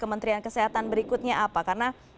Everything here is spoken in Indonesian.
kementerian kesehatan berikutnya apa karena